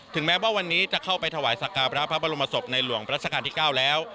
แม้ว่าวันนี้จะเข้าไปถวายสักการะพระบรมศพในหลวงรัชกาลที่๙แล้ว